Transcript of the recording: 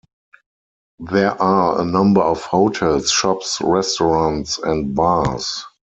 There are a number of hotels, shops, restaurants, and bars.